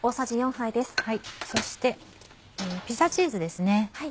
そしてピザチーズですね。